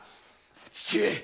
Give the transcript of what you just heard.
父上！